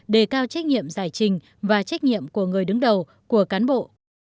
đề cao trách nhiệm giải trình và trách nhiệm của người đứng đầu của cán bộ